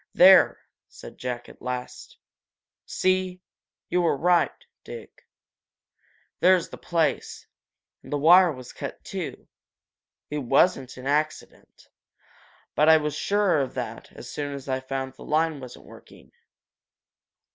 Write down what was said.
"There!" said Jack, at last. "See? You were right, Dick. There's the place and the wire was cut, too! It wasn't an accident. But I was sure of that as soon as I found the line wasn't working."